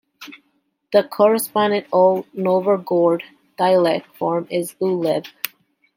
The corresponding Old Novgorod dialect form is "Uleb".